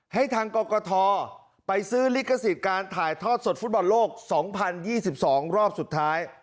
ให้ทางกรกฐไปซื้อลิขสิทธิ์การถ่ายทอดสดฟุตบอลโลก๒๐๒๒รอบสุดท้าย